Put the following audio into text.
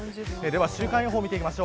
週間予報を見ていきます。